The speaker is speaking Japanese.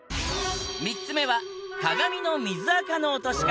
３つ目は鏡の水垢の落とし方